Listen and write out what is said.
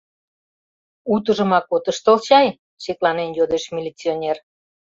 — Утыжымак от ыштыл чай? — шекланен йодеш милиционер.